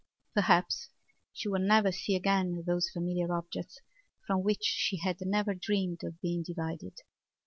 Perhaps she would never see again those familiar objects from which she had never dreamed of being divided.